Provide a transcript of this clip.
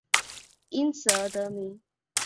因此而得名。